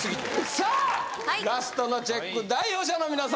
さあラストのチェック代表者の皆様